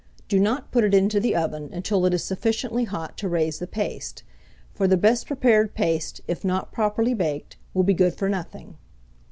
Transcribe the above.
Do not put it into the oven until it is sufficiently hot to raise the paste; for the best prepared paste, if not properly baked, will be good for nothing.